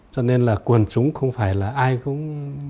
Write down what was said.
cho nên là quần chúng không phải là ai cũng